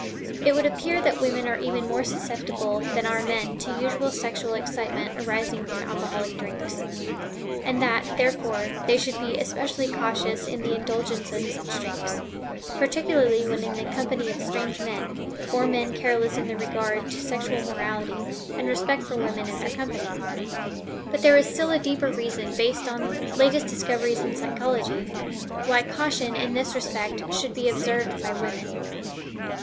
It would appear that women are even more susceptible than are men to unusual sexual excitement arising from alcoholic drinks; and that, therefore, they should be especially cautious in the indulgence in such drinks, particularly when in the company of strange men, or men careless in regard to sexual morality and respect for women in their company. But there is still a deeper reason, based upon the latest discoveries in psychology, why caution in this respect should be observed by women.